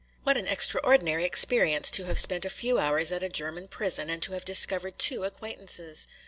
What an extraordinary experience to have spent a few hours at a German prison and to have discovered two acquaintances.